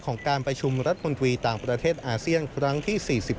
ของการประชุมรัฐมนตรีต่างประเทศอาเซียนครั้งที่๔๑